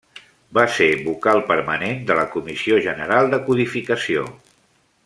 Va ser Vocal permanent de la Comissió General de Codificació.